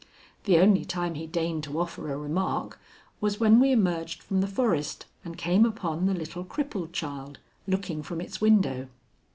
The only time he deigned to offer a remark was when we emerged from the forest and came upon the little crippled child, looking from its window.